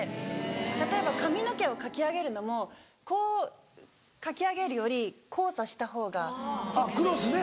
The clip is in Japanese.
例えば髪の毛をかき上げるのもこうかき上げるより交差した方がセクシーに。